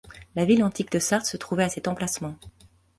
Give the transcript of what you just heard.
La ville antique de Sardes se trouvait à cet emplacement.